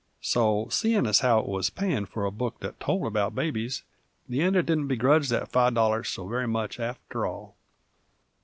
So, seein' as how it wuz payin' f'r a book that told about babies, Leander didn't begredge that five dollars so very much after all.